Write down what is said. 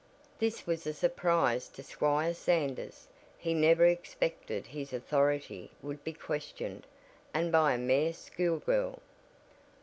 This was a surprise to Squire Sanders. He never expected his authority would be questioned and by a mere schoolgirl.